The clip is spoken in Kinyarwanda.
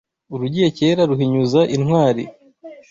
Urugiye kera ruhinyuza intwari